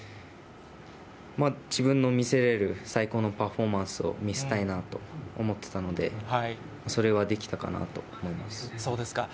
自分の見せれる最高のパフォーマンスを見せたいなと思ってたので、それはできたかなと思います。